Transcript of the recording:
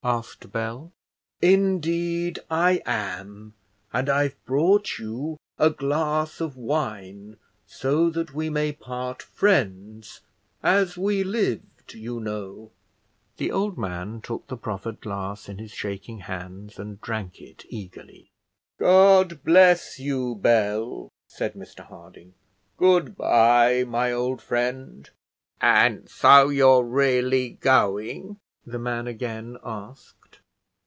asked Bell. "Indeed I am, and I've brought you a glass of wine; so that we may part friends, as we lived, you know." The old man took the proffered glass in his shaking hands, and drank it eagerly. "God bless you, Bell!" said Mr Harding; "good bye, my old friend." "And so you're really going?" the man again asked.